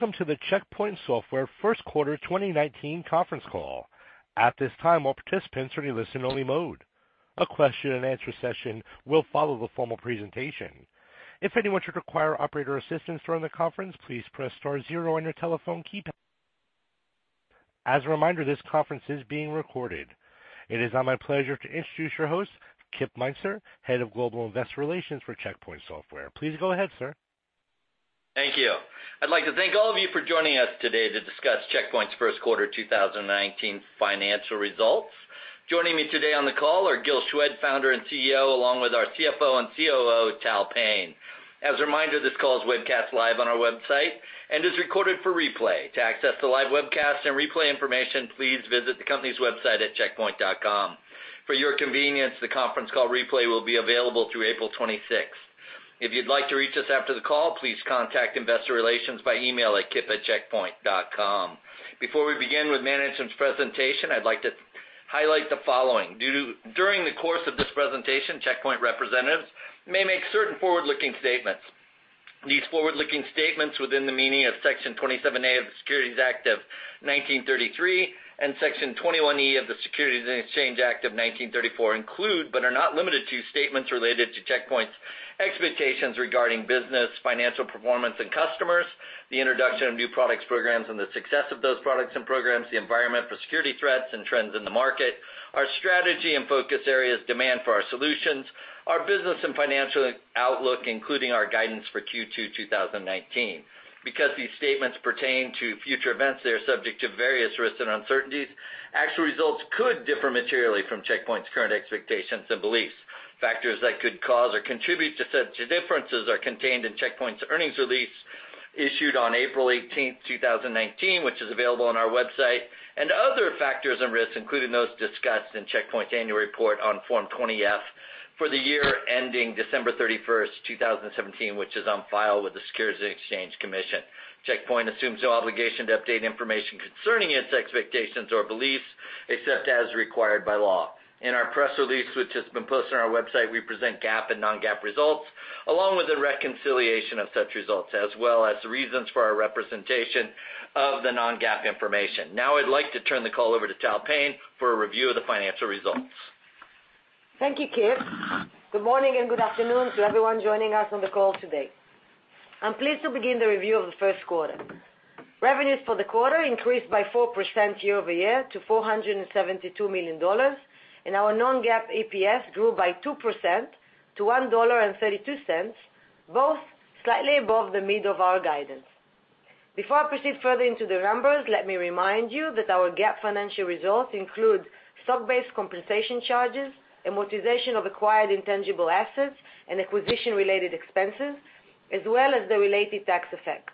Welcome to the Check Point Software first quarter 2019 conference call. At this time, all participants are in listen-only mode. A question and answer session will follow the formal presentation. If anyone should require operator assistance during the conference, please press star zero on your telephone keypad. As a reminder, this conference is being recorded. It is now my pleasure to introduce your host, Kip Meintzer, Head of Global Investor Relations for Check Point Software. Please go ahead, sir. Thank you. I'd like to thank all of you for joining us today to discuss Check Point's first quarter 2019 financial results. Joining me today on the call are Gil Shwed, founder and CEO, along with our CFO and COO, Tal Payne. As a reminder, this call is webcast live on our website and is recorded for replay. To access the live webcast and replay information, please visit the company's website at checkpoint.com. For your convenience, the conference call replay will be available through April 26th. If you'd like to reach us after the call, please contact Investor Relations by email at kip@checkpoint.com. Before we begin with management's presentation, I'd like to highlight the following. During the course of this presentation, Check Point representatives may make certain forward-looking statements. These forward-looking statements within the meaning of Section 27A of the Securities Act of 1933 and Section 21E of the Securities Exchange Act of 1934 include, but are not limited to, statements related to Check Point's expectations regarding business, financial performance and customers, the introduction of new products, programs, and the success of those products and programs, the environment for security threats and trends in the market, our strategy and focus areas, demand for our solutions, our business and financial outlook, including our guidance for Q2 2019. These statements pertain to future events, they are subject to various risks and uncertainties. Actual results could differ materially from Check Point's current expectations and beliefs. Factors that could cause or contribute to such differences are contained in Check Point's earnings release issued on April 18th, 2019, which is available on our website, and other factors and risks, including those discussed in Check Point's annual report on Form 20-F for the year ending December 31st, 2017, which is on file with the Securities and Exchange Commission. Check Point assumes no obligation to update information concerning its expectations or beliefs, except as required by law. In our press release, which has been posted on our website, we present GAAP and non-GAAP results, along with a reconciliation of such results, as well as the reasons for our representation of the non-GAAP information. I'd like to turn the call over to Tal Payne for a review of the financial results. Thank you, Kip. Good morning and good afternoon to everyone joining us on the call today. I'm pleased to begin the review of the first quarter. Revenues for the quarter increased by 4% year-over-year to $472 million, and our non-GAAP EPS grew by 2% to $1.32, both slightly above the mid of our guidance. Before I proceed further into the numbers, let me remind you that our GAAP financial results include stock-based compensation charges, amortization of acquired intangible assets, and acquisition-related expenses, as well as the related tax effects.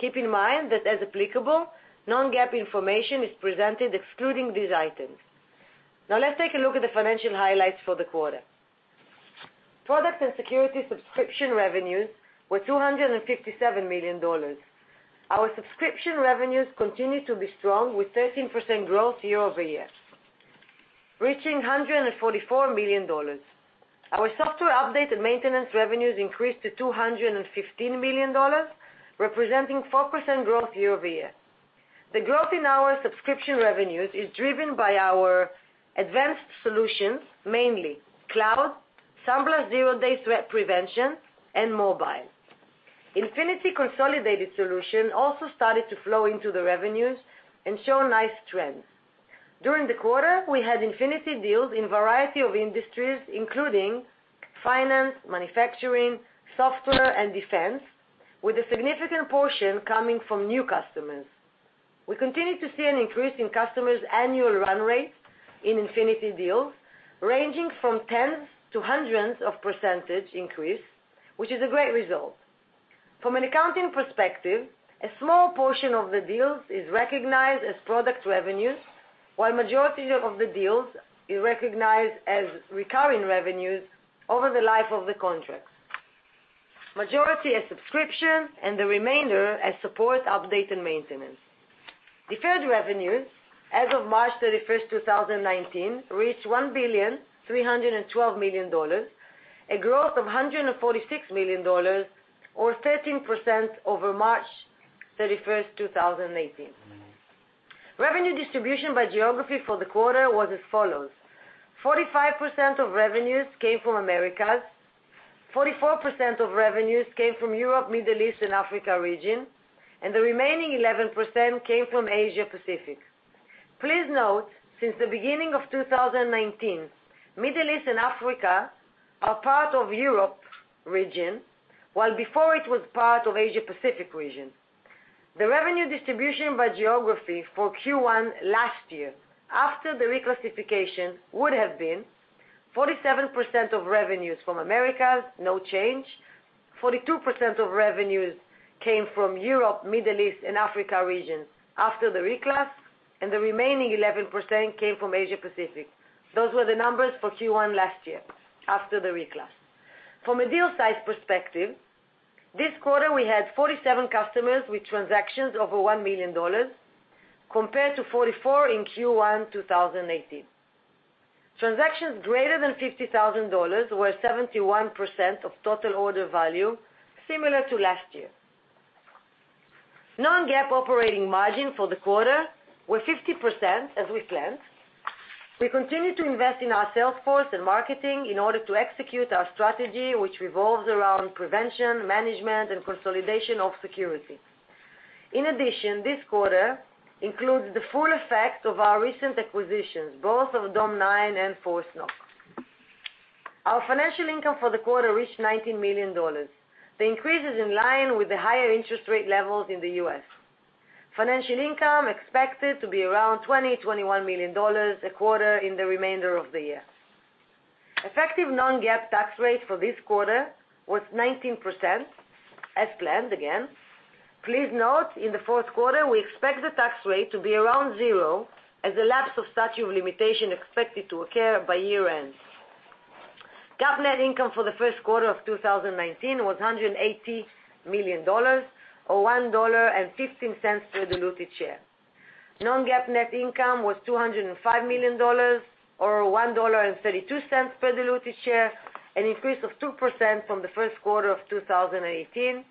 Keep in mind that as applicable, non-GAAP information is presented excluding these items. Let's take a look at the financial highlights for the quarter. Product and security subscription revenues were $257 million. Our subscription revenues continue to be strong, with 13% growth year-over-year, reaching $144 million. Our software update and maintenance revenues increased to $215 million, representing 4% growth year-over-year. The growth in our subscription revenues is driven by our advanced solutions, mainly cloud, SandBlast Zero-Day Threat Prevention, and mobile. Infinity consolidated solution also started to flow into the revenues and show a nice trend. During the quarter, we had Infinity deals in a variety of industries, including finance, manufacturing, software, and defense, with a significant portion coming from new customers. We continue to see an increase in customers' annual run rates in Infinity deals, ranging from tens to hundreds of percentage increase, which is a great result. From an accounting perspective, a small portion of the deals is recognized as product revenues, while majority of the deals is recognized as recurring revenues over the life of the contracts. Majority as subscription, and the remainder as support, update, and maintenance. Deferred revenues as of March 31st, 2019, reached $1,312 million, a growth of $146 million, or 13% over March 31st, 2018. Revenue distribution by geography for the quarter was as follows: 45% of revenues came from Americas, 44% of revenues came from Europe, Middle East, and Africa region, and the remaining 11% came from Asia Pacific. Please note, since the beginning of 2019, Middle East and Africa are part of Europe region, while before it was part of Asia Pacific region. The revenue distribution by geography for Q1 last year, after the reclassification, would have been 47% of revenues from Americas, no change, 42% of revenues came from Europe, Middle East, and Africa region after the reclass, and the remaining 11% came from Asia Pacific. Those were the numbers for Q1 last year after the reclass. From a deal size perspective, this quarter, we had 47 customers with transactions over $1 million, compared to 44 in Q1 2018. Transactions greater than $50,000 were 71% of total order value, similar to last year. Non-GAAP operating margin for the quarter were 50%, as we planned. We continue to invest in our sales force and marketing in order to execute our strategy, which revolves around prevention, management, and consolidation of security. In addition, this quarter includes the full effect of our recent acquisitions, both of Dome9 and ForceNock. Our financial income for the quarter reached $19 million. The increase is in line with the higher interest rate levels in the U.S. Financial income expected to be around $20-$21 million a quarter in the remainder of the year. Effective non-GAAP tax rate for this quarter was 19%, as planned again. Please note, in the fourth quarter, we expect the tax rate to be around zero, as the lapse of statute of limitation expected to occur by year-end. GAAP net income for the first quarter of 2019 was $180 million, or $1.15 per diluted share. non-GAAP net income was $205 million, or $1.32 per diluted share, an increase of 2% from the first quarter of 2018,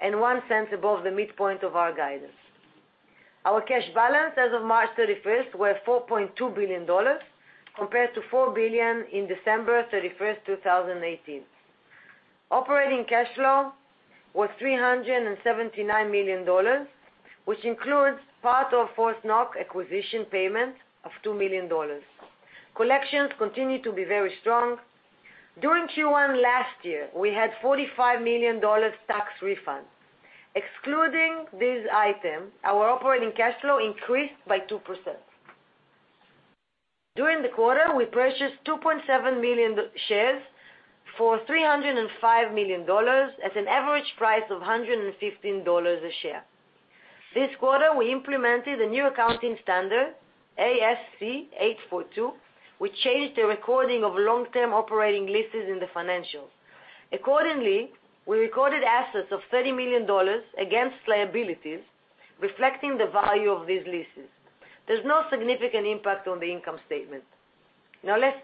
and $0.01 above the midpoint of our guidance. Our cash balance as of March 31st were $4.2 billion, compared to $4 billion in December 31st, 2018. Operating cash flow was $379 million, which includes part of ForceNock acquisition payment of $2 million. Collections continue to be very strong. During Q1 last year, we had $45 million tax refund. Excluding this item, our operating cash flow increased by 2%. During the quarter, we purchased 2.7 million shares for $305 million at an average price of $115 a share. This quarter, we implemented a new accounting standard, ASC 842, which changed the recording of long-term operating leases in the financials. Accordingly, we recorded assets of $30 million against liabilities, reflecting the value of these leases. There's no significant impact on the income statement. Now, let's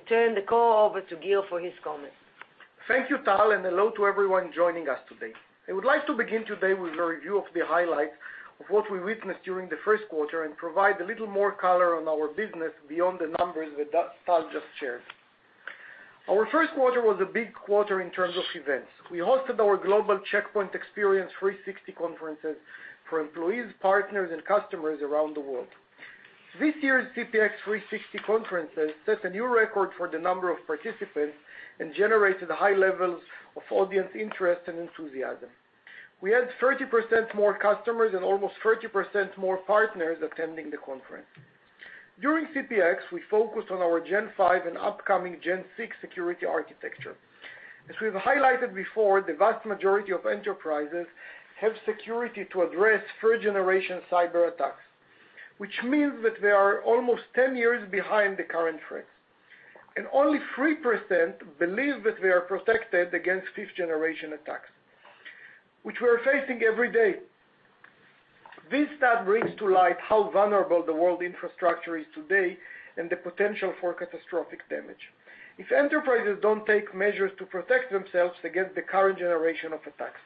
turn the call over to Gil for his comments. Thank you, Tal, and hello to everyone joining us today. I would like to begin today with a review of the highlights of what we witnessed during the first quarter and provide a little more color on our business beyond the numbers that Tal just shared. Our first quarter was a big quarter in terms of events. We hosted our global Check Point Experience 360 Conferences for employees, partners, and customers around the world. This year's CPX 360 Conferences set a new record for the number of participants and generated high levels of audience interest and enthusiasm. We had 30% more customers and almost 30% more partners attending the conference. During CPX, we focused on our Gen V and upcoming Gen VI security architecture. As we've highlighted before, the vast majority of enterprises have security to address third-generation cyberattacks, which means that they are almost 10 years behind the current trends. Only 3% believe that they are protected against fifth-generation attacks, which we are facing every day. This stat brings to light how vulnerable the world infrastructure is today and the potential for catastrophic damage if enterprises don't take measures to protect themselves against the current generation of attacks.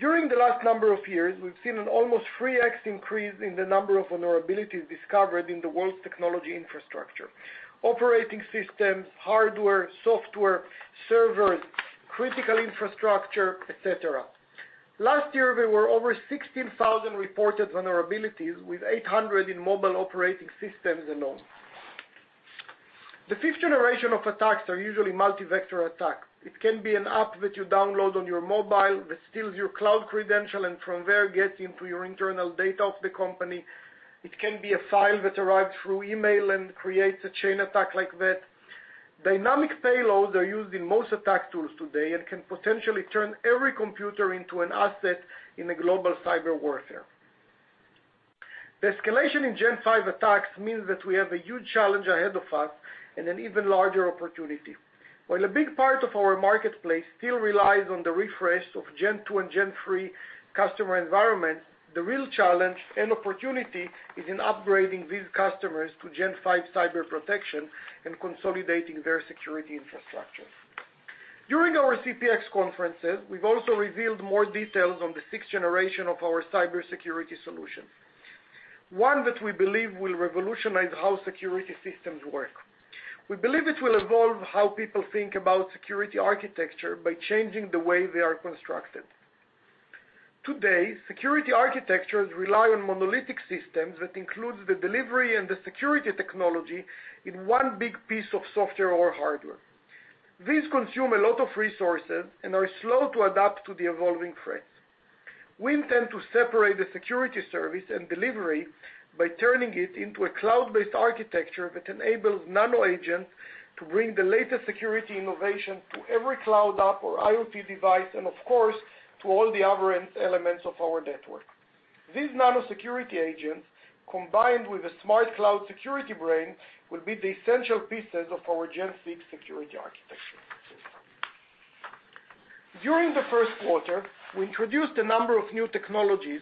During the last number of years, we've seen an almost 3x increase in the number of vulnerabilities discovered in the world's technology infrastructure, operating systems, hardware, software, servers, critical infrastructure, et cetera. Last year, there were over 16,000 reported vulnerabilities, with 800 in mobile operating systems alone. The fifth generation of attacks are usually multi-vector attacks. It can be an app that you download on your mobile that steals your cloud credential, and from there, gets into your internal data of the company. It can be a file that arrives through email and creates a chain attack like that. Dynamic payloads are used in most attack tools today and can potentially turn every computer into an asset in a global cyber warfare. The escalation in Gen V attacks means that we have a huge challenge ahead of us and an even larger opportunity. While a big part of our marketplace still relies on the refresh of Gen 2 and Gen 3 customer environments, the real challenge and opportunity is in upgrading these customers to Gen 5 cyber protection and consolidating their security infrastructure. During our CPX conferences, we've also revealed more details on the sixth generation of our cybersecurity solution, one that we believe will revolutionize how security systems work. We believe it will evolve how people think about security architecture by changing the way they are constructed. Today, security architectures rely on monolithic systems that include the delivery and the security technology in one big piece of software or hardware. These consume a lot of resources and are slow to adapt to the evolving threats. We intend to separate the security service and delivery by turning it into a cloud-based architecture that enables nano agents to bring the latest security innovation to every cloud app or IoT device, and of course, to all the other elements of our network. These nano security agents, combined with a smart cloud security brain, will be the essential pieces of our Gen 6 security architecture. During the first quarter, we introduced a number of new technologies,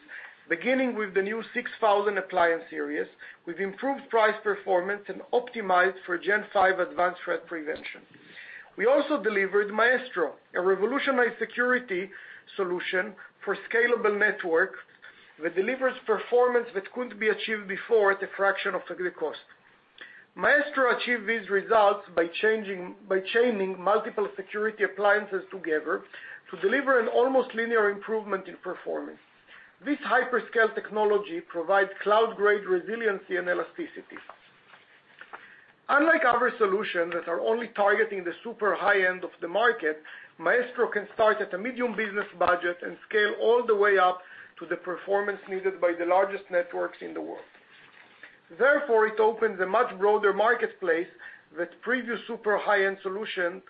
beginning with the new 6000 Appliance series, with improved price performance and optimized for Gen V advanced threat prevention. We also delivered Maestro, a revolutionized security solution for scalable network that delivers performance that couldn't be achieved before at a fraction of the cost. Maestro achieved these results by chaining multiple security appliances together to deliver an almost linear improvement in performance. This hyperscale technology provides cloud-grade resiliency and elasticity. Unlike other solutions that are only targeting the super high end of the market, Maestro can start at a medium business budget and scale all the way up to the performance needed by the largest networks in the world. It opens a much broader marketplace than previous super high-end solution,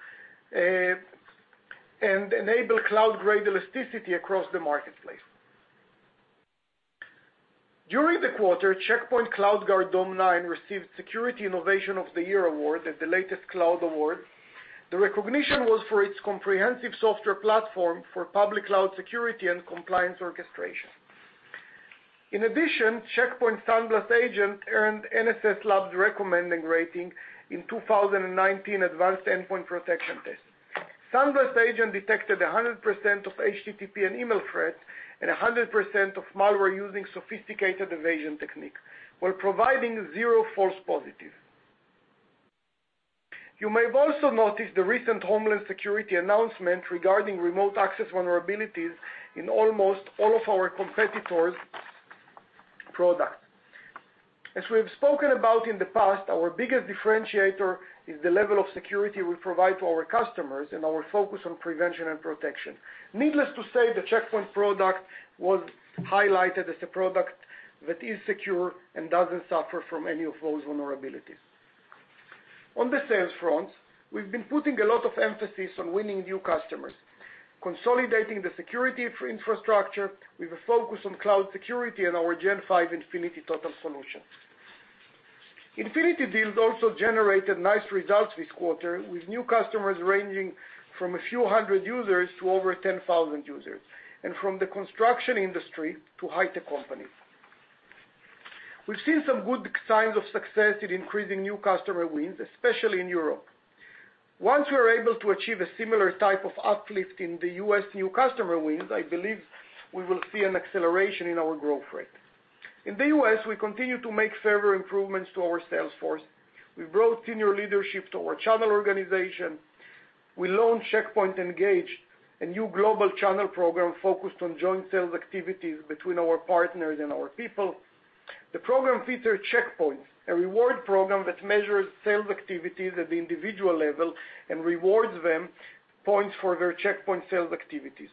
and enable cloud-grade elasticity across the marketplace. During the quarter, Check Point CloudGuard Dome9 received Security Innovation of the Year award at the latest Cloud Awards. The recognition was for its comprehensive software platform for public cloud security and compliance orchestration. In addition, Check Point SandBlast Agent earned NSS Labs recommending rating in 2019 Advanced Endpoint Protection test. SandBlast Agent detected 100% of HTTP and email threats, and 100% of malware using sophisticated evasion technique, while providing zero false positive. You may have also noticed the recent Homeland Security announcement regarding remote access vulnerabilities in almost all of our competitors' products. As we have spoken about in the past, our biggest differentiator is the level of security we provide to our customers and our focus on prevention and protection. Needless to say, the Check Point product was highlighted as a product that is secure and doesn't suffer from any of those vulnerabilities. On the sales front, we've been putting a lot of emphasis on winning new customers, consolidating the security infrastructure with a focus on cloud security and our Gen V Infinity Total Solution. Infinity deals also generated nice results this quarter, with new customers ranging from a few hundred users to over 10,000 users, and from the construction industry to high-tech companies. We've seen some good signs of success in increasing new customer wins, especially in Europe. Once we are able to achieve a similar type of uplift in the U.S. new customer wins, I believe we will see an acceleration in our growth rate. In the U.S., we continue to make further improvements to our sales force. We've grown senior leadership to our channel organization. We launched Check Point Engage, a new global channel program focused on joint sales activities between our partners and our people. The program features Check Points, a reward program that measures sales activities at the individual level and rewards them points for their Check Point sales activities.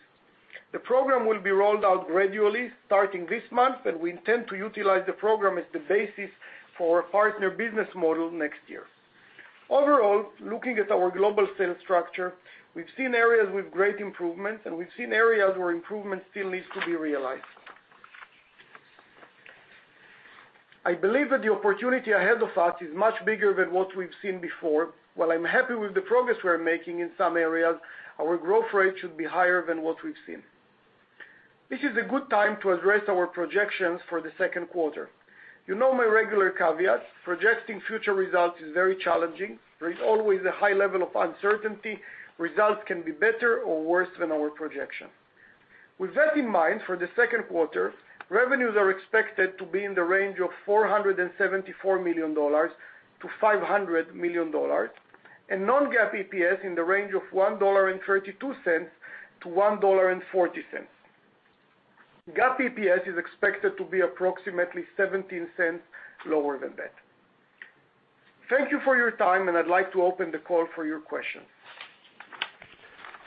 The program will be rolled out gradually starting this month. We intend to utilize the program as the basis for our partner business model next year. Overall, looking at our global sales structure, we've seen areas with great improvements, and we've seen areas where improvement still needs to be realized. I believe that the opportunity ahead of us is much bigger than what we've seen before. While I'm happy with the progress we're making in some areas, our growth rate should be higher than what we've seen. This is a good time to address our projections for the second quarter. You know my regular caveat, projecting future results is very challenging. There is always a high level of uncertainty. Results can be better or worse than our projection. With that in mind, for the second quarter, revenues are expected to be in the range of $474 million-$500 million. Non-GAAP EPS in the range of $1.32-$1.40. GAAP EPS is expected to be approximately $0.17 lower than that. Thank you for your time. I'd like to open the call for your questions.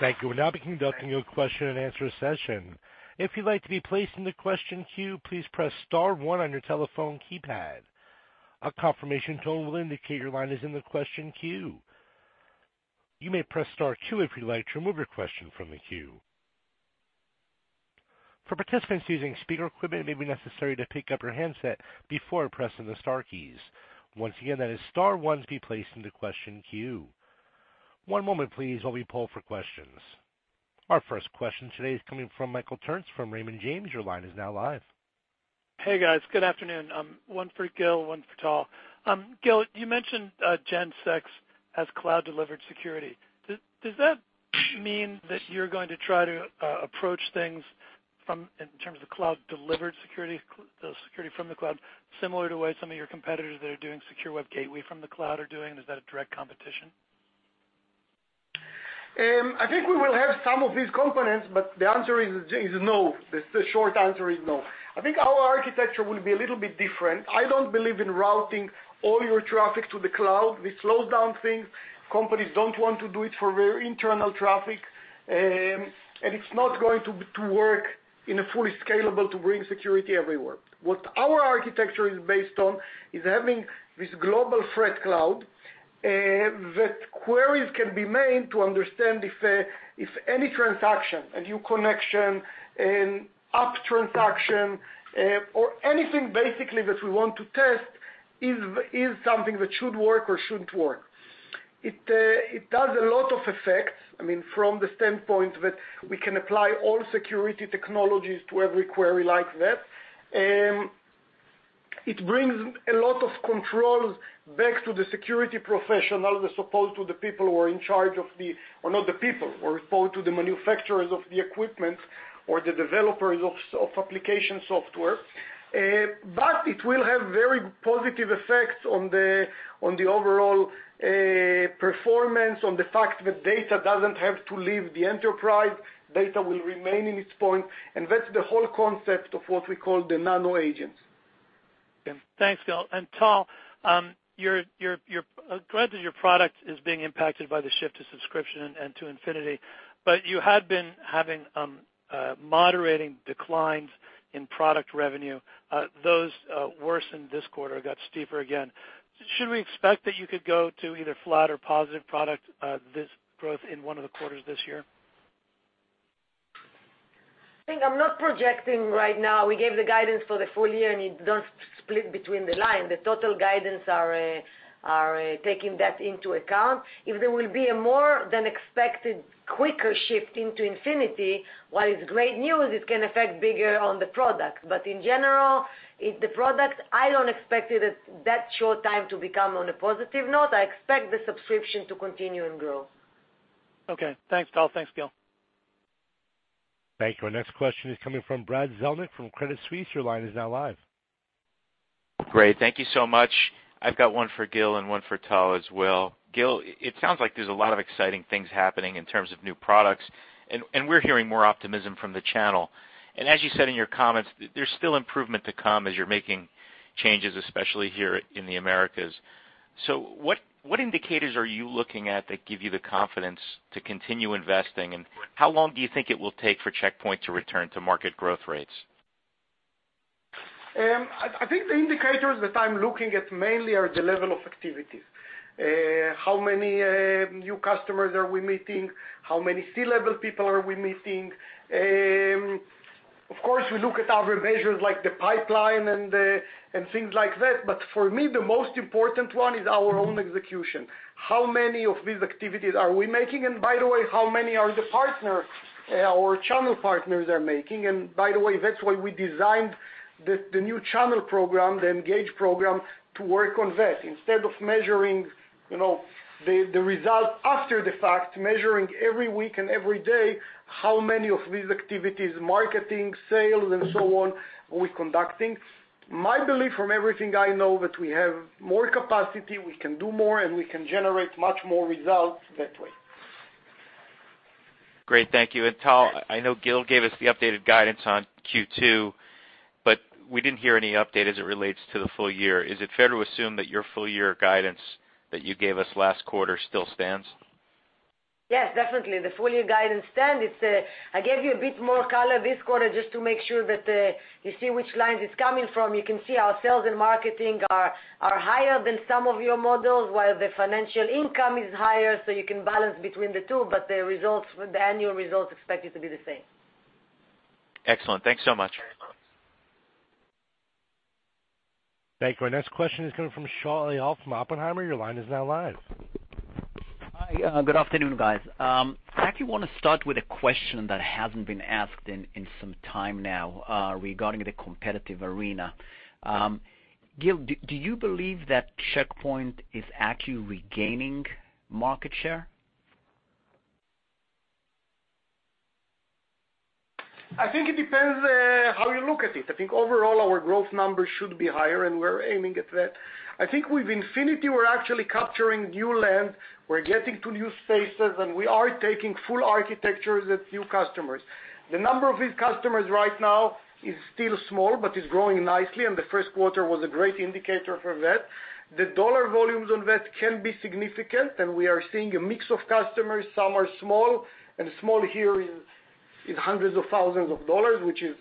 Thank you. We'll now be conducting a question and answer session. If you'd like to be placed in the question queue, please press star 1 on your telephone keypad. A confirmation tone will indicate your line is in the question queue. You may press star 2 if you'd like to remove your question from the queue. For participants using speaker equipment, it may be necessary to pick up your handset before pressing the star keys. Once again, that is star 1 to be placed into question queue. One moment please while we poll for questions. Our first question today is coming from Michael Turits from Raymond James. Your line is now live. Hey, guys. Good afternoon. One for Gil, one for Tal. Gil, you mentioned Gen VI as cloud-delivered security. Does that mean that you're going to try to approach things in terms of cloud-delivered security, the security from the cloud, similar to the way some of your competitors that are doing secure web gateway from the cloud are doing? Is that a direct competition? I think we will have some of these components. The answer is no. The short answer is no. I think our architecture will be a little bit different. I don't believe in routing all your traffic to the cloud. This slows down things. Companies don't want to do it for their internal traffic. It's not going to work in a fully scalable to bring security everywhere. What our architecture is based on is having this global threat cloud that queries can be made to understand if any transaction, a new connection, an app transaction, or anything basically that we want to test is something that should work or shouldn't work. It does a lot of effects, from the standpoint that we can apply all security technologies to every query like that. It brings a lot of control back to the security professional, as opposed to the manufacturers of the equipment or the developers of application software. It will have very positive effects on the overall performance, on the fact that data doesn't have to leave the enterprise. Data will remain in its point. That's the whole concept of what we call the nano-agents. Thanks, Gil. Tal, glad that your product is being impacted by the shift to subscription and to Infinity. You had been having moderating declines in product revenue. Those worsened this quarter, got steeper again. Should we expect that you could go to either flat or positive product, this growth in one of the quarters this year? I think I'm not projecting right now. We gave the guidance for the full year, and it doesn't split between the line. The total guidance are taking that into account. If there will be a more than expected quicker shift into Infinity, while it's great news, it can affect bigger on the product. In general, if the product, I don't expect it at that short time to become on a positive note. I expect the subscription to continue and grow. Okay. Thanks, Tal. Thanks, Gil. Thank you. Our next question is coming from Brad Zelnick from Credit Suisse. Your line is now live. Great. Thank you so much. I've got one for Gil and one for Tal as well. Gil, it sounds like there's a lot of exciting things happening in terms of new products, and we're hearing more optimism from the channel. As you said in your comments, there's still improvement to come as you're making changes, especially here in the Americas. What indicators are you looking at that give you the confidence to continue investing, and how long do you think it will take for Check Point to return to market growth rates? I think the indicators that I'm looking at mainly are the level of activities. How many new customers are we meeting? How many C-level people are we meeting? Of course, we look at our measures like the pipeline and things like that. For me, the most important one is our own execution. How many of these activities are we making, and by the way, how many are the partner or channel partners are making? That's why we designed the new channel program, the Engage program, to work on that. Instead of measuring the result after the fact, measuring every week and every day how many of these activities, marketing, sales, and so on, are we conducting. My belief from everything I know that we have more capacity, we can do more, and we can generate much more results that way. Great. Thank you. Tal, I know Gil gave us the updated guidance on Q2, we didn't hear any update as it relates to the full year. Is it fair to assume that your full year guidance that you gave us last quarter still stands? Yes, definitely. The full year guidance stand. I gave you a bit more color this quarter just to make sure that you see which line it's coming from. You can see our sales and marketing are higher than some of your models, while the financial income is higher, you can balance between the two, the annual results expected to be the same. Excellent. Thanks so much. Thank you. Our next question is coming from Shaul Eyal from Oppenheimer. Your line is now live. Hi. Good afternoon, guys. I actually want to start with a question that hasn't been asked in some time now regarding the competitive arena. Gil, do you believe that Check Point is actually regaining market share? I think it depends how you look at it. I think overall, our growth numbers should be higher, and we're aiming at that. I think with Infinity, we're actually capturing new land, we're getting to new spaces, and we are taking full architectures at new customers. The number of these customers right now is still small, but is growing nicely, and the first quarter was a great indicator for that. The dollar volumes on that can be significant. We are seeing a mix of customers. Some are small, and small here is hundreds of thousands of dollars, which is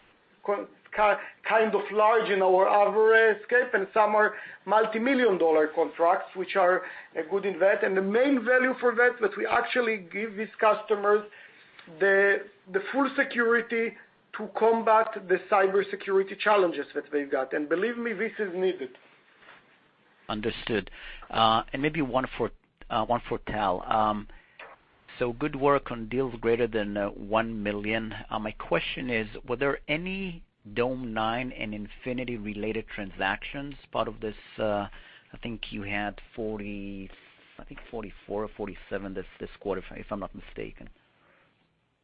kind of large in our average scape, and some are multimillion-dollar contracts, which are good in that. The main value for that we actually give these customers the full security to combat the cybersecurity challenges that they've got. Believe me, this is needed. Understood. Maybe one for Tal. Good work on deals greater than $1 million. My question is, were there any Dome9 and Infinity related transactions part of this, I think you had 40, 44 or 47 this quarter, if I'm not mistaken.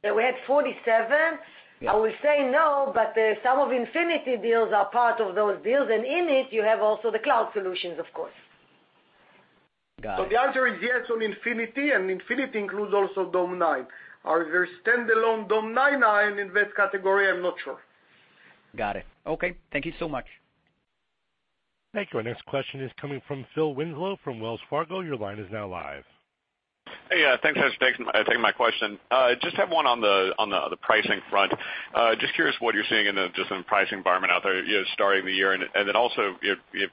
We had 47. Yeah. I will say no, but some of Infinity deals are part of those deals, and in it, you have also the cloud solutions, of course. Got it. The answer is yes on Infinity, and Infinity includes also Dome9. Are there standalone Dome9 in that category? I am not sure. Got it. Okay. Thank you so much. Thank you. Our next question is coming from Phil Winslow from Wells Fargo. Your line is now live. Hey. Thanks for taking my question. Just have one on the pricing front. Just curious what you're seeing in the pricing environment out there starting the year, also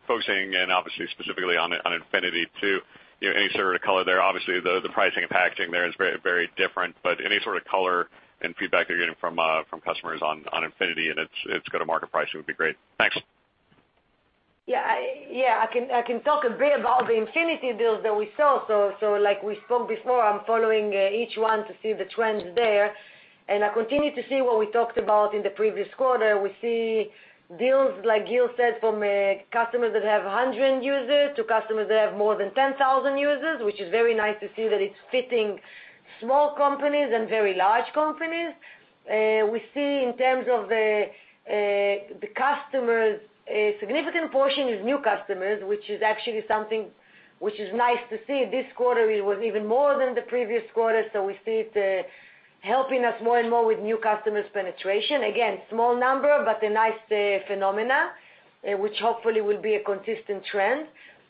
focusing in obviously specifically on Infinity, too. Any sort of color there? Obviously, the pricing and packaging there is very different, any sort of color and feedback you're getting from customers on Infinity, and its go-to-market pricing would be great. Thanks. Yeah. I can talk a bit about the Infinity deals that we saw. Like we spoke before, I'm following each one to see the trends there, I continue to see what we talked about in the previous quarter. We see deals, like Gil said, from customers that have 100 users to customers that have more than 10,000 users, which is very nice to see that it's fitting small companies and very large companies. We see in terms of the customers, a significant portion is new customers, which is actually something which is nice to see. This quarter, it was even more than the previous quarter, we see it helping us more and more with new customers' penetration. Again, small number, but a nice phenomena, which hopefully will be a consistent trend.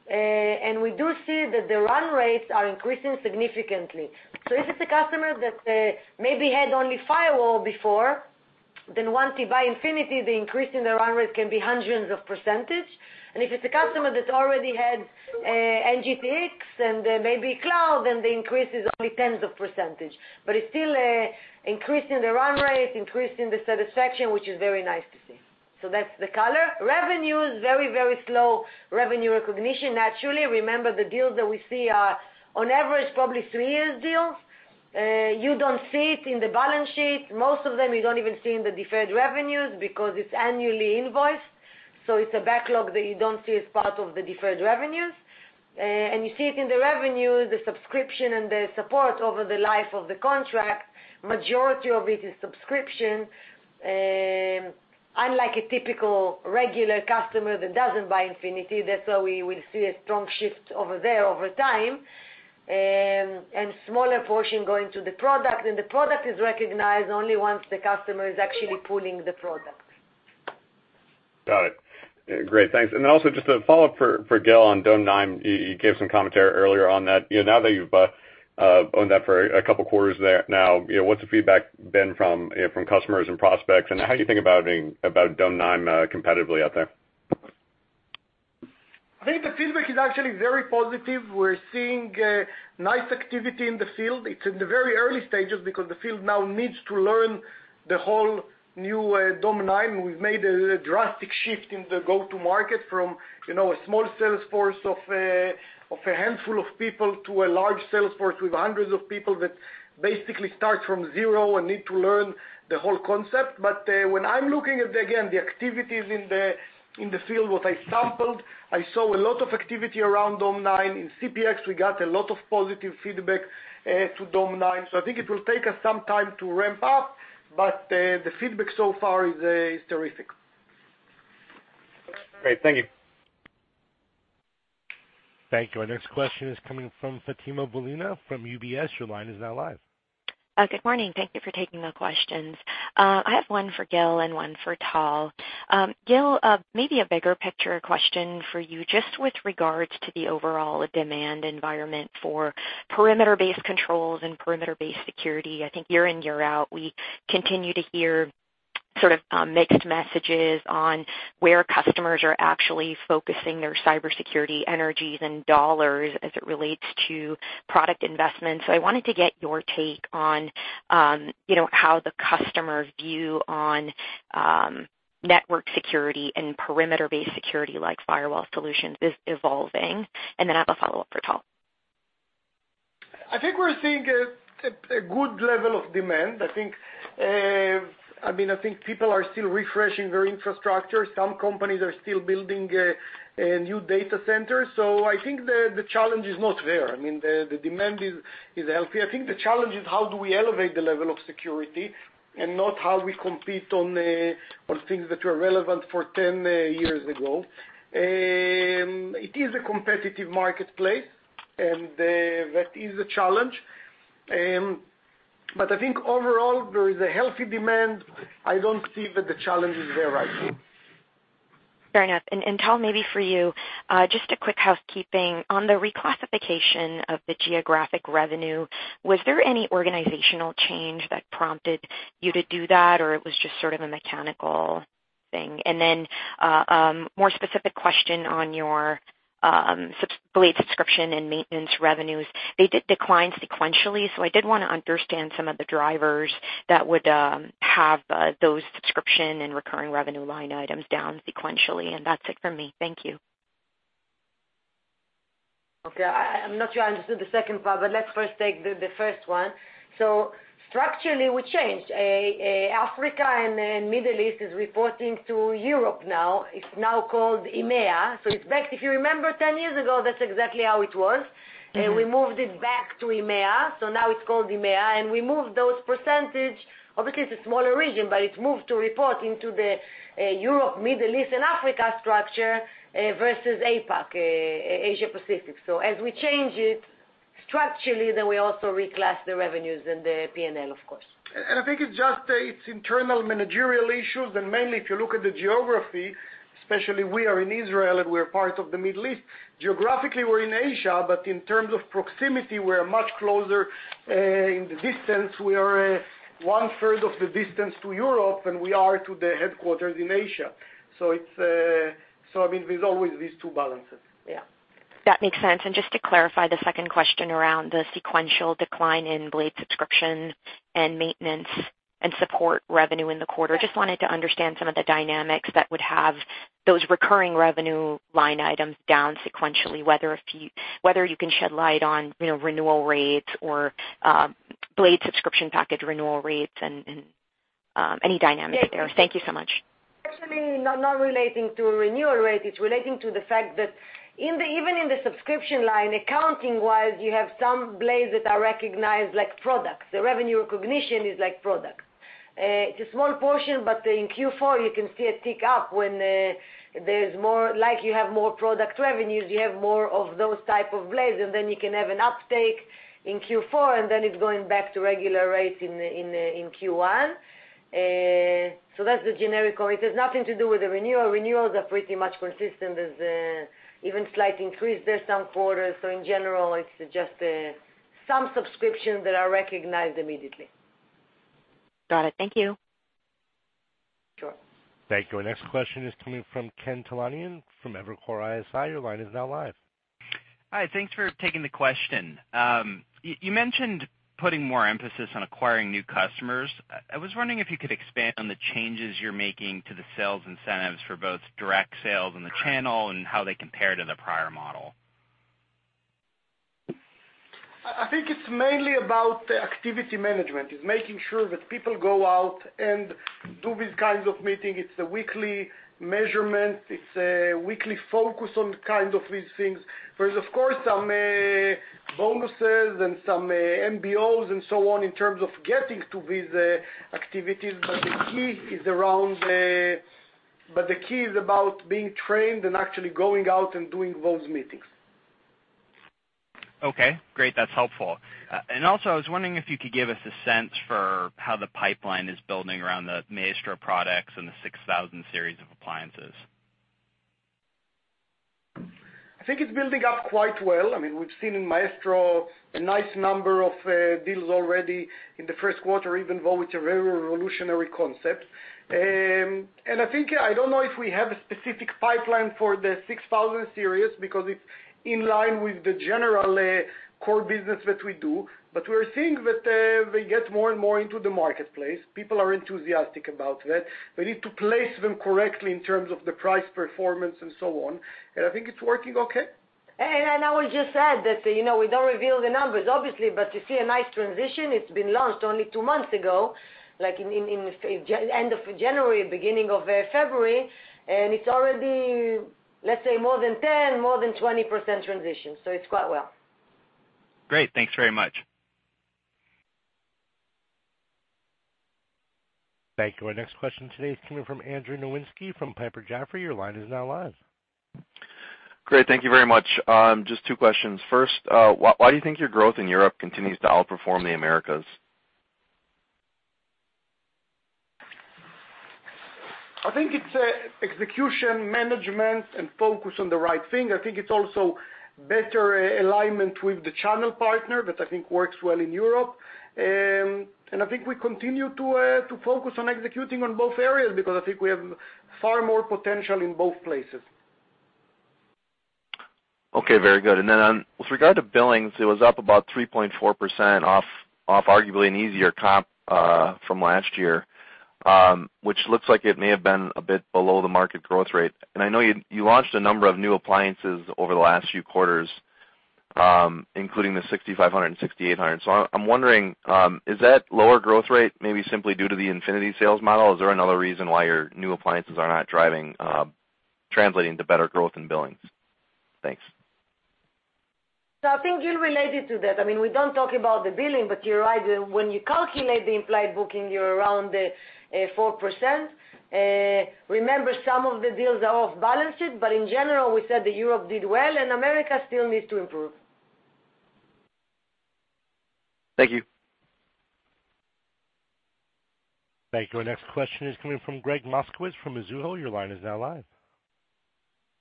We do see that the run rates are increasing significantly. If it's a customer that maybe had only firewall before, once you buy Infinity, the increase in the run rate can be hundreds of percent. If it's a customer that already had NGTP and maybe cloud, the increase is only tens of percent. It's still increasing the run rate, increasing the satisfaction, which is very nice to see. That's the color. Revenues, very slow revenue recognition. Naturally, remember the deals that we see are, on average, probably 3-year deals. You don't see it in the balance sheet. Most of them, you don't even see in the deferred revenues because it's annually invoiced. It's a backlog that you don't see as part of the deferred revenues. You see it in the revenue, the subscription, and the support over the life of the contract. Majority of it is subscription, unlike a typical, regular customer that doesn't buy Infinity. That's why we will see a strong shift over there over time, and smaller portion going to the product, and the product is recognized only once the customer is actually pulling the product. Got it. Great. Thanks. Also, just a follow-up for Gil on Dome9. You gave some commentary earlier on that. Now that you've owned that for a couple of quarters there now, what's the feedback been from customers and prospects, and how do you think about Dome9 competitively out there? I think the feedback is actually very positive. We're seeing nice activity in the field. It's in the very early stages because the field now needs to learn the whole new Dome9. We've made a drastic shift in the go-to-market from a small sales force of a handful of people to a large sales force with hundreds of people that basically start from zero and need to learn the whole concept. When I'm looking at, again, the activities in the field, what I sampled, I saw a lot of activity around Dome9. In CPX, we got a lot of positive feedback to Dome9. I think it will take us some time to ramp up, but the feedback so far is terrific. Great. Thank you. Thank you. Our next question is coming from Fatima Boolani from UBS. Your line is now live. Good morning. Thank you for taking the questions. I have one for Gil and one for Tal. Gil, maybe a bigger picture question for you, just with regards to the overall demand environment for perimeter-based controls and perimeter-based security. I think year in, year out, we continue to hear sort of mixed messages on where customers are actually focusing their cybersecurity energies and dollars as it relates to product investments. I wanted to get your take on how the customer's view on network security and perimeter-based security like firewall solutions is evolving, and then I have a follow-up for Tal. I think we're seeing a good level of demand. I think people are still refreshing their infrastructure. Some companies are still building new data centers, so I think the challenge is not there. The demand is healthy. I think the challenge is how do we elevate the level of security and not how we compete on things that were relevant for 10 years ago. It is a competitive marketplace, and that is a challenge. I think overall, there is a healthy demand. I don't see that the challenge is there right now. Fair enough. Tal, maybe for you, just a quick housekeeping. On the reclassification of the geographic revenue, was there any organizational change that prompted you to do that, or it was just sort of a mechanical thing? More specific question on your blade subscription and maintenance revenues. They did decline sequentially, I did want to understand some of the drivers that would have those subscription and recurring revenue line items down sequentially, that's it for me. Thank you. Okay. I'm not sure I understood the second part, let's first take the first one. Structurally, we changed. Africa and Middle East is reporting to Europe now. It's now called EMEA. It's back. If you remember 10 years ago, that's exactly how it was, we moved it back to EMEA, now it's called EMEA. We moved those percentage. Obviously, it's a smaller region, it moved to report into the Europe, Middle East, and Africa structure versus APAC, Asia Pacific. As we change it structurally, we also reclass the revenues and the P&L, of course. I think it's just its internal managerial issues, mainly if you look at the geography, especially we are in Israel, we are part of the Middle East. Geographically, we're in Asia, in terms of proximity, we're much closer in the distance. We are one-third of the distance to Europe than we are to the headquarters in Asia. There's always these two balances. Yeah. That makes sense. Just to clarify the second question around the sequential decline in blade subscription and maintenance and support revenue in the quarter. Just wanted to understand some of the dynamics that would have those recurring revenue line items down sequentially, whether you can shed light on renewal rates or blade subscription package renewal rates and any dynamics there. Thank you so much. Actually, not relating to renewal rate. It's relating to the fact that even in the subscription line, accounting-wise, you have some blades that are recognized like products. The revenue recognition is like product. It's a small portion, but in Q4, you can see a tick up when there's more, like you have more product revenues, you have more of those type of blades, and then you can have an uptake in Q4, and then it's going back to regular rates in Q1. That's the generic. It has nothing to do with the renewal. Renewals are pretty much consistent. There's an even slight increase there some quarters. In general, it's just some subscriptions that are recognized immediately. Got it. Thank you. Sure. Thank you. Our next question is coming from Ken Talanian from Evercore ISI. Your line is now live. Hi, thanks for taking the question. You mentioned putting more emphasis on acquiring new customers. I was wondering if you could expand on the changes you're making to the sales incentives for both direct sales and the channel and how they compare to the prior model. I think it's mainly about the activity management. It's making sure that people go out and do these kinds of meeting. It's a weekly measurement. It's a weekly focus on kind of these things. There's, of course, some bonuses and some MBOs and so on in terms of getting to these activities, but the key is about being trained and actually going out and doing those meetings. Okay, great. That's helpful. Also, I was wondering if you could give us a sense for how the pipeline is building around the Maestro products and the 6000 series of appliances. I think it's building up quite well. I mean, we've seen in Maestro a nice number of deals already in the first quarter, even though it's a very revolutionary concept. I think, I don't know if we have a specific pipeline for the 6000 series because it's in line with the general core business that we do. We're seeing that they get more and more into the marketplace. People are enthusiastic about that. We need to place them correctly in terms of the price performance and so on. I think it's working okay. I will just add that, we don't reveal the numbers, obviously, You see a nice transition. It's been launched only two months ago, like end of January, beginning of February, It's already, let's say, more than 10%, more than 20% transition, It's quite well. Great. Thanks very much. Thank you. Our next question today is coming from Andrew Nowinski from Piper Jaffray. Your line is now live. Great. Thank you very much. Just two questions. First, why do you think your growth in Europe continues to outperform the Americas? I think it's execution, management, and focus on the right thing. I think it's also better alignment with the channel partner that I think works well in Europe. I think we continue to focus on executing on both areas because I think we have far more potential in both places. Okay, very good. With regard to billings, it was up about 3.4% off arguably an easier comp from last year, which looks like it may have been a bit below the market growth rate. I know you launched a number of new appliances over the last few quarters, including the 6500 and 6800. I'm wondering, is that lower growth rate maybe simply due to the Infinity sales model? Is there another reason why your new appliances are not translating to better growth in billings? Thanks. I think Gil related to that. I mean, we don't talk about the billing, but you're right. When you calculate the implied booking, you're around 4%. Remember, some of the deals are off-balance sheet, but in general, we said that Europe did well and America still needs to improve. Thank you. Thank you. Our next question is coming from Gregg Moskowitz from Mizuho. Your line is now live.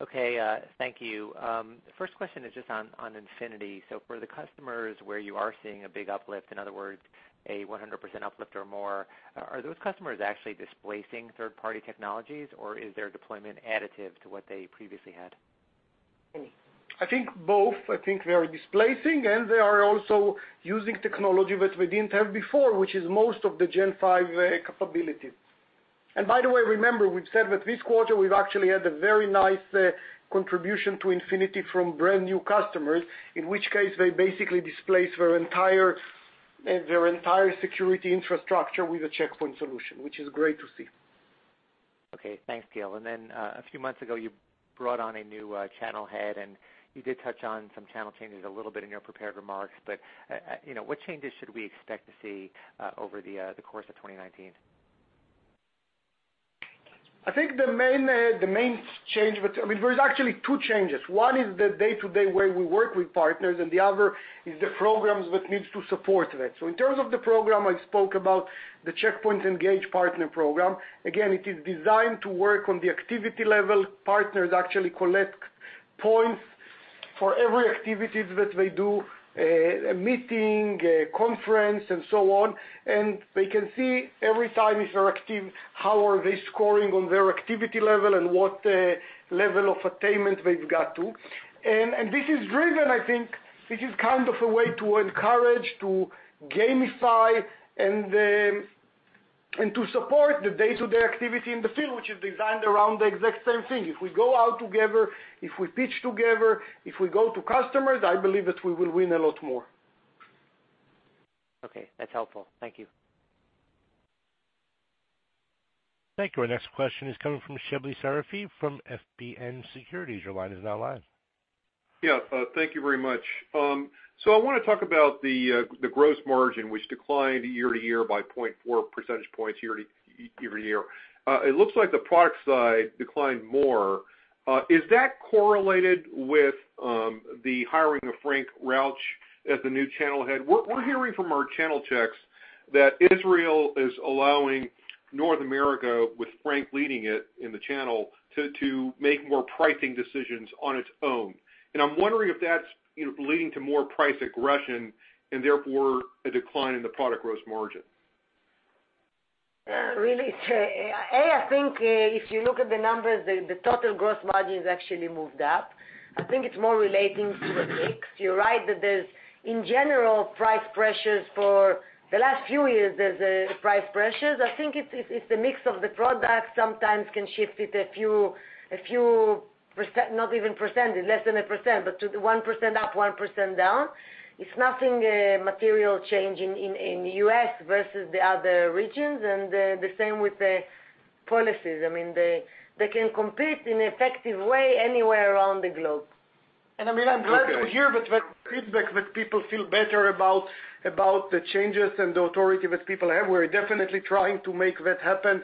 Okay, thank you. First question is just on Infinity. For the customers where you are seeing a big uplift, in other words, a 100% uplift or more, are those customers actually displacing third-party technologies, or is their deployment additive to what they previously had? I think both. I think they are displacing, and they are also using technology that we didn't have before, which is most of the Gen V capabilities. By the way, remember, we've said that this quarter, we've actually had a very nice contribution to Infinity from brand-new customers, in which case they basically displaced their entire security infrastructure with a Check Point solution, which is great to see. Okay. Thanks, Gil. A few months ago, you brought on a new channel head, and you did touch on some channel changes a little bit in your prepared remarks, what changes should we expect to see over the course of 2019? I think the main change, I mean, there's actually two changes. One is the day-to-day way we work with partners, and the other is the programs that needs to support that. In terms of the program, I spoke about the Check Point Engage Partner program. Again, it is designed to work on the activity level. Partners actually collect points for every activity that they do, a meeting, a conference, and so on, and they can see every time if they're active, how are they scoring on their activity level, and what level of attainment they've got to. This is driven, I think, this is kind of a way to encourage, to gamify, and to support the day-to-day activity in the field, which is designed around the exact same thing. If we go out together, if we pitch together, if we go to customers, I believe that we will win a lot more. Okay, that's helpful. Thank you. Thank you. Our next question is coming from Shebly Seyrafi from FBN Securities. Your line is now live. Yeah, thank you very much. I want to talk about the gross margin, which declined year-over-year by 0.4 percentage points year-over-year. It looks like the product side declined more. Is that correlated with the hiring of Frank Rauch as the new channel head? We're hearing from our channel checks that Israel is allowing North America, with Frank leading it in the channel, to make more pricing decisions on its own. I'm wondering if that's leading to more price aggression and therefore a decline in the product gross margin. I think if you look at the numbers, the total gross margin has actually moved up. I think it's more relating to the mix. You're right that there's, in general, price pressures for the last few years. I think it's the mix of the product sometimes can shift it a few, not even percent, less than a percent, but to the 1% up, 1% down. It's nothing material change in U.S. versus the other regions, and the same with the policies. They can compete in an effective way anywhere around the globe. I'm glad to hear that feedback that people feel better about the changes and the authority that people have. We're definitely trying to make that happen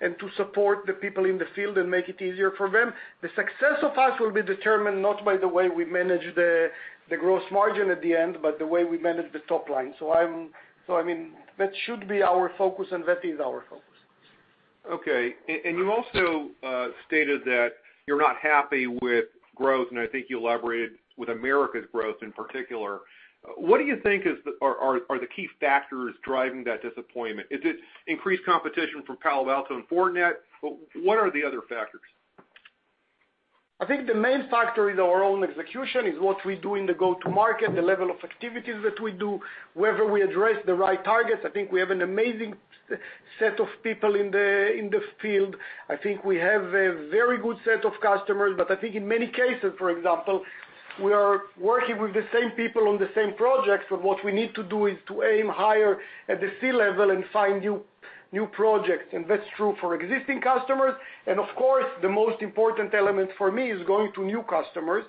and to support the people in the field and make it easier for them. The success of us will be determined not by the way we manage the gross margin at the end, but the way we manage the top line. That should be our focus, and that is our focus. Okay. You also stated that you're not happy with growth, and I think you elaborated with America's growth in particular. What do you think are the key factors driving that disappointment? Is it increased competition from Palo Alto and Fortinet? What are the other factors? I think the main factor is our own execution, is what we do in the go-to-market, the level of activities that we do, whether we address the right targets. I think we have an amazing set of people in the field. I think we have a very good set of customers. I think in many cases, for example, we are working with the same people on the same projects, but what we need to do is to aim higher at the C-level and find new projects. That's true for existing customers, and of course, the most important element for me is going to new customers.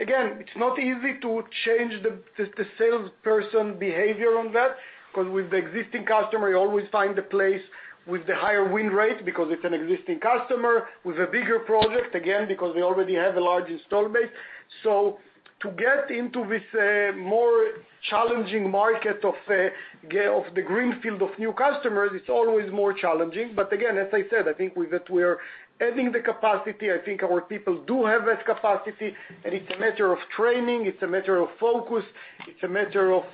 It's not easy to change the salesperson behavior on that because with the existing customer, you always find the place with the higher win rate because it's an existing customer with a bigger project, again, because they already have a large install base. To get into this more challenging market of the green field of new customers, it's always more challenging. Again, as I said, I think that we're adding the capacity. I think our people do have that capacity, and it's a matter of training, it's a matter of focus, it's a matter of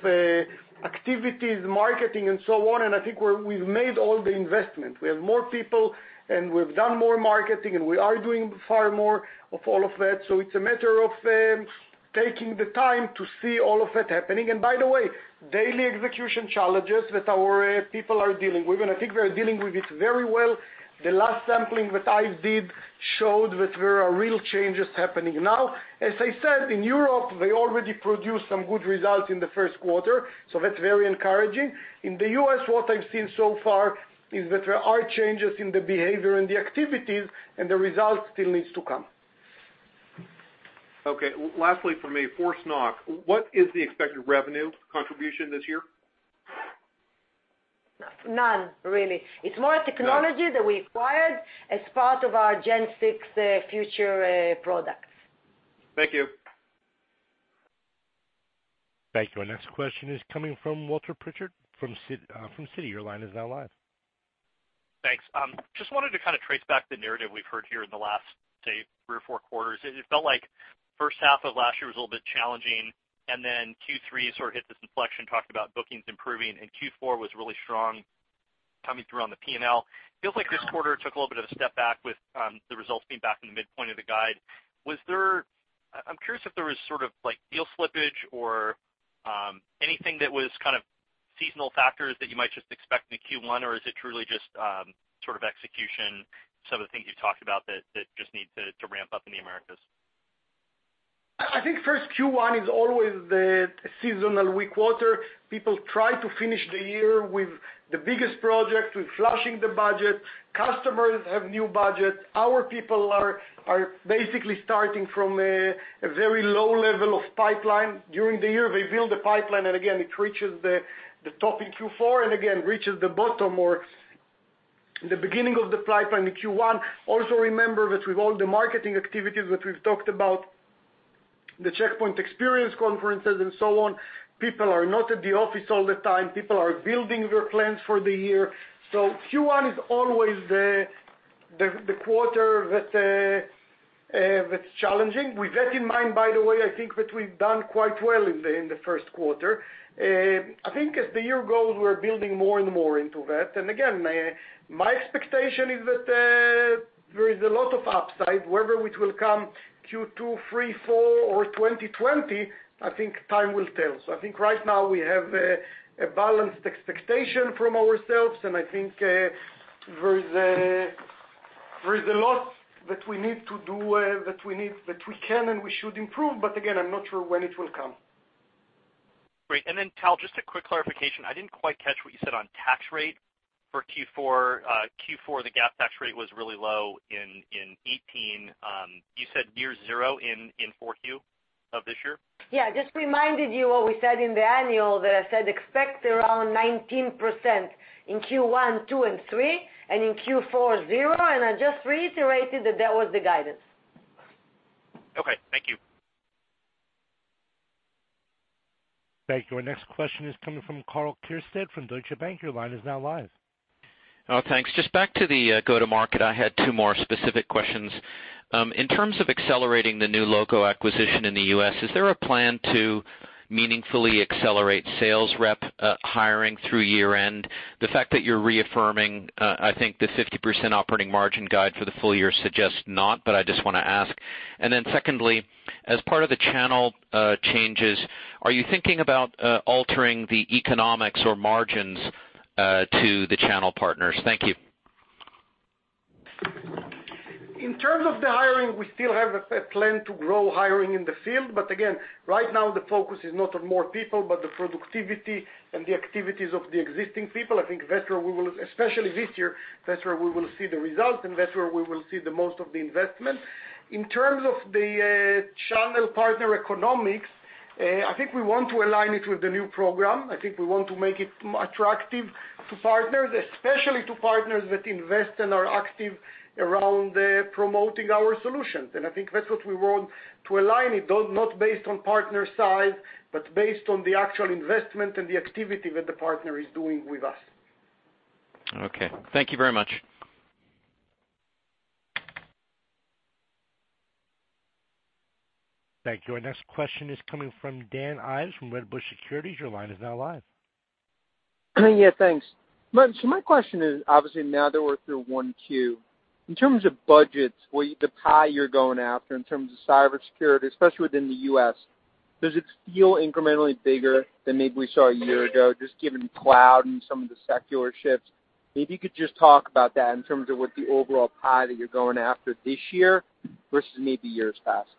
activities, marketing, and so on. I think we've made all the investment. We have more people, and we've done more marketing, and we are doing far more of all of that. It's a matter of taking the time to see all of that happening. By the way, daily execution challenges that our people are dealing with, and I think they're dealing with it very well. The last sampling that I did showed that there are real changes happening now. As I said, in Europe, they already produced some good results in the first quarter, that's very encouraging. In the U.S., what I've seen so far is that there are changes in the behavior and the activities, and the results still needs to come. Okay. Lastly from me, ForceNock. What is the expected revenue contribution this year? None, really. It's more a technology that we acquired as part of our Gen VI future products. Thank you. Thank you. Our next question is coming from Walter Pritchard from Citi. Your line is now live. Thanks. Just wanted to kind of trace back the narrative we've heard here in the last, say, three or four quarters. It felt like first half of last year was a little bit challenging, and then Q3 sort of hit this inflection, talking about bookings improving, and Q4 was really strong coming through on the P&L. Feels like this quarter took a little bit of a step back with the results being back in the midpoint of the guide. I'm curious if there was sort of deal slippage or anything that was kind of seasonal factors that you might just expect in a Q1, or is it truly just sort of execution, some of the things you talked about that just need to ramp up in the Americas? I think first Q1 is always the seasonal weak quarter. People try to finish the year with the biggest project, with flushing the budget. Customers have new budgets. Our people are basically starting from a very low level of pipeline. During the year, they build a pipeline, and again, it reaches the top in Q4, and again, it reaches the bottom or the beginning of the pipeline in Q1. Also remember that with all the marketing activities that we've talked about the Check Point Experience conferences and so on. People are not at the office all the time. People are building their plans for the year. Q1 is always the quarter that's challenging. With that in mind, by the way, I think that we've done quite well in the first quarter. I think as the year goes, we're building more and more into that. My expectation is that there is a lot of upside, whether which will come Q2, Q3, Q4 or 2020, I think time will tell. I think right now we have a balanced expectation from ourselves, and I think there is a lot that we need to do, that we can and we should improve. Again, I'm not sure when it will come. Great. Tal, just a quick clarification. I didn't quite catch what you said on tax rate for Q4. Q4, the GAAP tax rate was really low in 2018. You said near zero in Q4 of this year? Just reminded you what we said in the annual, that I said expect around 19% in Q1, Q2 and Q3, and in Q4, zero. I just reiterated that that was the guidance. Okay, thank you. Thank you. Our next question is coming from Karl Keirstead from Deutsche Bank. Your line is now live. Thanks. Just back to the go-to-market. I had two more specific questions. In terms of accelerating the new logo acquisition in the U.S., is there a plan to meaningfully accelerate sales rep hiring through year-end? The fact that you're reaffirming, I think, the 50% operating margin guide for the full year suggests not, but I just want to ask. Secondly, as part of the channel changes, are you thinking about altering the economics or margins to the channel partners? Thank you. In terms of the hiring, we still have a plan to grow hiring in the field. Again, right now the focus is not on more people, but the productivity and the activities of the existing people. I think that's where we will, especially this year, that's where we will see the results and that's where we will see the most of the investment. In terms of the channel partner economics, I think we want to align it with the new program. I think we want to make it attractive to partners, especially to partners that invest and are active around promoting our solutions. I think that's what we want to align it, though not based on partner size, but based on the actual investment and the activity that the partner is doing with us. Okay. Thank you very much. Thank you. Our next question is coming from Dan Ives from Wedbush Securities. Your line is now live. Yeah, thanks. My question is, obviously now that we're through 1Q, in terms of budgets, the pie you're going after in terms of cybersecurity, especially within the U.S., does it feel incrementally bigger than maybe we saw a year ago, just given cloud and some of the secular shifts? Maybe you could just talk about that in terms of what the overall pie that you're going after this year versus maybe years past.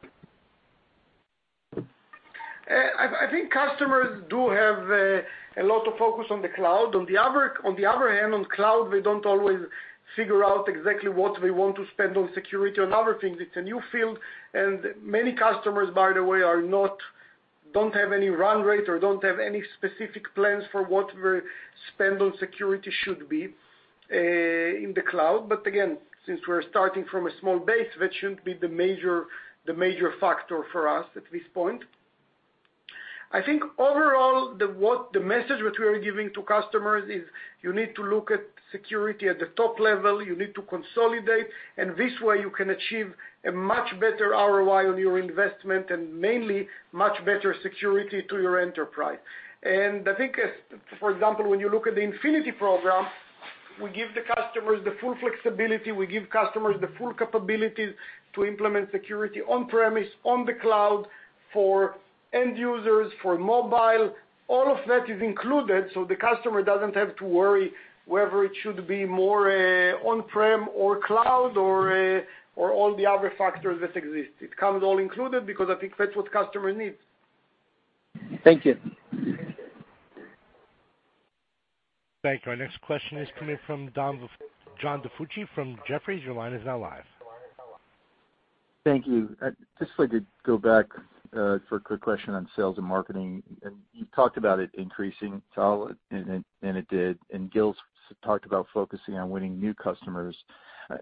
I think customers do have a lot of focus on the cloud. On the other hand, on cloud, we don't always figure out exactly what we want to spend on security and other things. It's a new field, and many customers, by the way, don't have any run rate or don't have any specific plans for what their spend on security should be in the cloud. Again, since we're starting from a small base, that shouldn't be the major factor for us at this point. I think overall, the message which we are giving to customers is you need to look at security at the top level. You need to consolidate, and this way you can achieve a much better ROI on your investment and mainly much better security to your enterprise. I think, for example, when you look at the Check Point Infinity program, we give the customers the full flexibility. We give customers the full capabilities to implement security on premise, on the cloud, for end users, for mobile. All of that is included, so the customer doesn't have to worry whether it should be more on-prem or cloud or all the other factors that exist. It comes all included because I think that's what customer needs. Thank you. Thank you. Our next question is coming from John DiFucci from Jefferies. Your line is now live. Thank you. I just wanted to go back for a quick question on sales and marketing. You talked about it increasing, Tal, and it did. Gil talked about focusing on winning new customers.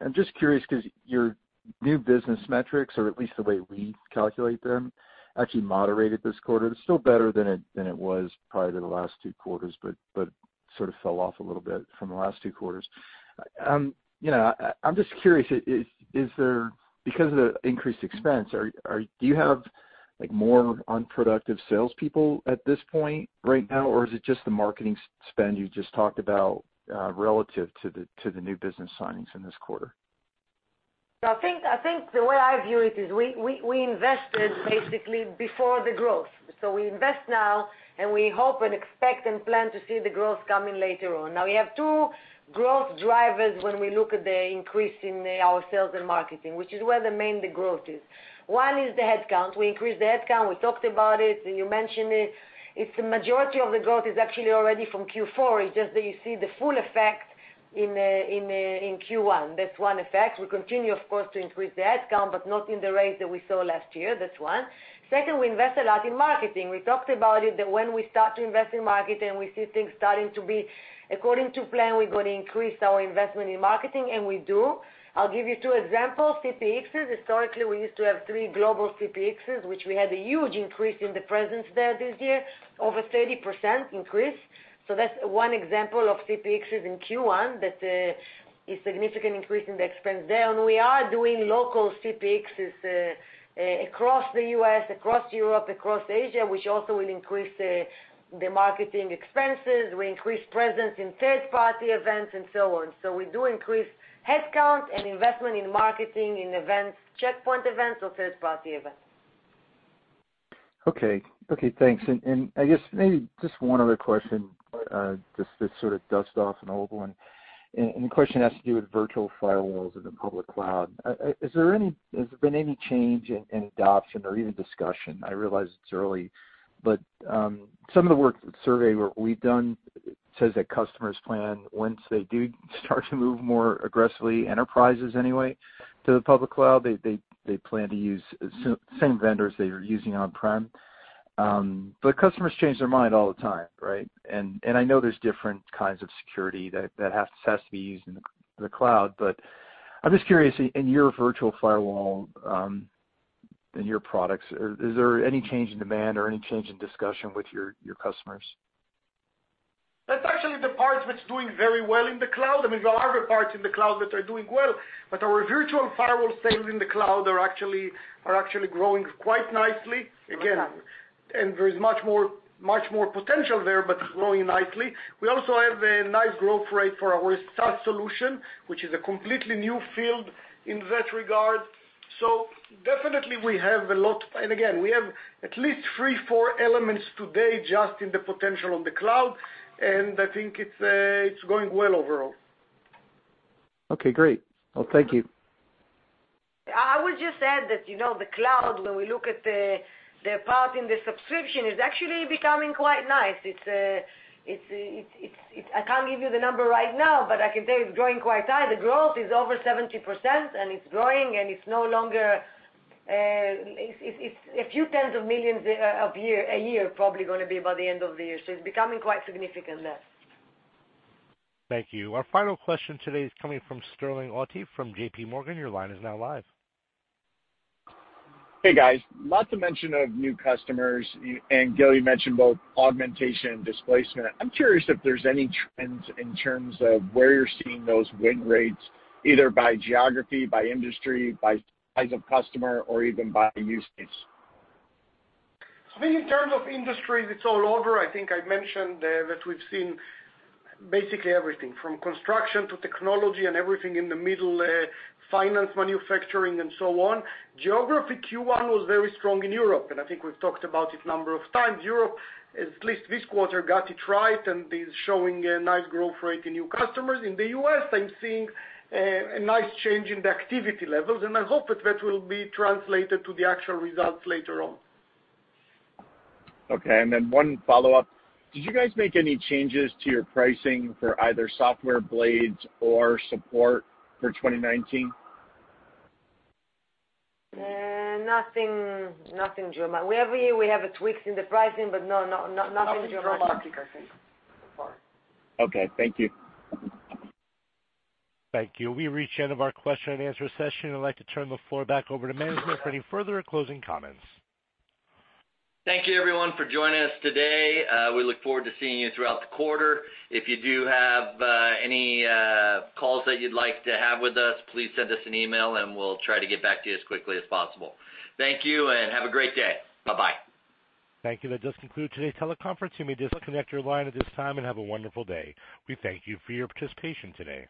I'm just curious because your new business metrics, or at least the way we calculate them, actually moderated this quarter. It's still better than it was prior to the last two quarters, but sort of fell off a little bit from the last two quarters. I'm just curious, because of the increased expense, do you have more unproductive salespeople at this point right now? Or is it just the marketing spend you just talked about, relative to the new business signings in this quarter? I think the way I view it is we invested basically before the growth. We invest now, and we hope and expect and plan to see the growth coming later on. Now, we have two growth drivers when we look at the increase in our sales and marketing, which is where the main growth is. One is the headcount. We increased the headcount, we talked about it, and you mentioned it. It's the majority of the growth is actually already from Q4. It's just that you see the full effect in Q1. That's one effect. We continue, of course, to increase the headcount, but not in the rate that we saw last year. That's one. Second, we invest a lot in marketing. We talked about it, that when we start to invest in marketing, we see things starting to be according to plan, we're going to increase our investment in marketing, and we do. I'll give you two examples. CPXs. Historically, we used to have three global CPXs, which we had a huge increase in the presence there this year, over 30% increase. That's one example of CPXs in Q1. That is significant increase in the expense there. We are doing local CPXs across the U.S., across Europe, across Asia, which also will increase the marketing expenses. We increase presence in third-party events and so on. We do increase headcount and investment in marketing, in events, Check Point events or third-party events. Okay. Thanks. I guess maybe just one other question, just to sort of dust off an old one, and the question has to do with virtual firewalls in the public cloud. Has there been any change in adoption or even discussion? I realize it's early, but some of the work, survey work we've done says that customers plan, once they do start to move more aggressively, enterprises anyway, to the public cloud, they plan to use same vendors they are using on-prem. Customers change their mind all the time, right? I know there's different kinds of security that has to be used in the cloud. But I'm just curious, in your virtual firewall, in your products, is there any change in demand or any change in discussion with your customers? That's actually the part that's doing very well in the cloud. I mean, there are other parts in the cloud that are doing well, but our virtual firewall sales in the cloud are actually growing quite nicely. Again, and there is much more potential there, but it's growing nicely. We also have a nice growth rate for our SaaS solution, which is a completely new field in that regard. Definitely, we have a lot. Again, we have at least three, four elements today just in the potential on the cloud, and I think it's growing well overall. Okay, great. Well, thank you. I would just add that the cloud, when we look at the part in the subscription, is actually becoming quite nice. I can't give you the number right now, but I can say it's growing quite high. The growth is over 70%, and it's growing, and it's a few tens of millions a year, probably going to be by the end of the year. It's becoming quite significant there. Thank you. Our final question today is coming from Sterling Auty from J.P. Morgan. Your line is now live. Hey, guys. Lots of mention of new customers. Gil, you mentioned both augmentation and displacement. I'm curious if there's any trends in terms of where you're seeing those win rates, either by geography, by industry, by size of customer, or even by use case. I think in terms of industries, it's all over. I think I've mentioned that we've seen basically everything from construction to technology and everything in the middle, finance, manufacturing, and so on. Geography, Q1 was very strong in Europe. I think we've talked about it a number of times. Europe, at least this quarter, got it right and is showing a nice growth rate in new customers. In the U.S., I'm seeing a nice change in the activity levels. I hope that that will be translated to the actual results later on. Okay. One follow-up. Did you guys make any changes to your pricing for either software blades or support for 2019? Nothing dramatic. Every year, we have tweaks in the pricing. No, nothing dramatic. Nothing dramatic, I think, so far. Okay. Thank you. Thank you. We've reached the end of our question and answer session. I'd like to turn the floor back over to management for any further closing comments. Thank you everyone for joining us today. We look forward to seeing you throughout the quarter. If you do have any calls that you'd like to have with us, please send us an email, and we'll try to get back to you as quickly as possible. Thank you, and have a great day. Bye-bye. Thank you. That does conclude today's teleconference. You may disconnect your line at this time, and have a wonderful day. We thank you for your participation today.